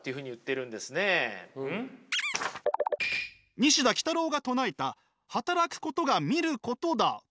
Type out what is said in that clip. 西田幾多郎が唱えた「働くことが見ることだ」とは？